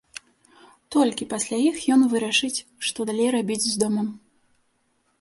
Толькі пасля іх ён вырашыць, што далей рабіць з домам.